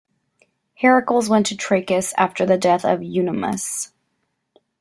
Heracles went to Trachis after the death of Eunomus.